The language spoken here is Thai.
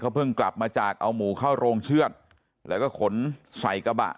เพิ่งกลับมาจากเอาหมูเข้าโรงเชือดแล้วก็ขนใส่กระบะ